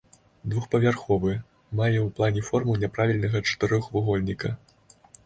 Двухпавярховы, мае ў плане форму няправільнага чатырохвугольніка.